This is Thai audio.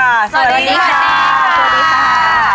สวัสดีค่ะ